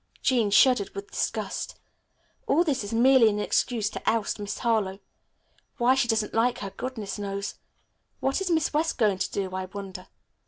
Jean shuddered with disgust. "All this is merely an excuse to oust Miss Harlowe. Why she doesn't like her, goodness knows. What is Miss West going to do, I wonder?"